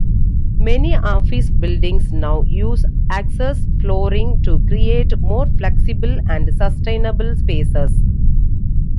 Many office buildings now use access flooring to create more flexible and sustainable spaces.